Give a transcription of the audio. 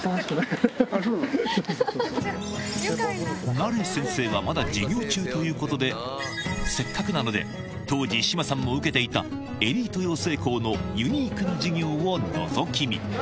ナレ先生はまだ授業中ということで、せっかくなので、当時、志麻さんも受けていたエリート養成校のユニークな授業をのぞき見。